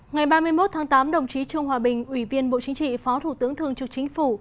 ngày ba mươi một tháng tám đồng chí trương hòa bình ủy viên bộ chính trị phó thủ tướng thường trực chính phủ